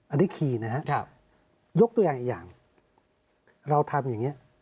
อันนี้ขี่นะครับยกตัวอย่างอีกอย่างเราทำอย่างนี้